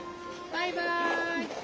バイバーイ。